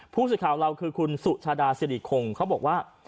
ผู้สื่อข่าวเราคือคุณสุชาดาสิริคงเขาบอกว่า